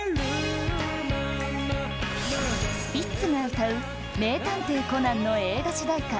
スピッツが歌う「名探偵コナン」の映画主題歌